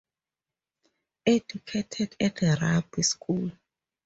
Educated at Rugby School.